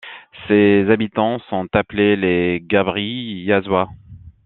Ses habitants sont appelés les Gabriasois.